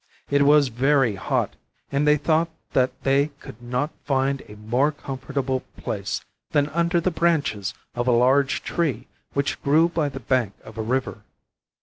It was very hot, and they thought that they could not find a more comfortable place than under the branches of a large tree which grew by the bank of a river.